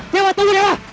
dewa tunggu dewa